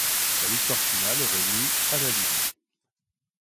La victoire finale est revenue à la Libye.